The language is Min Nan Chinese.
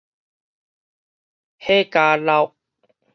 火加落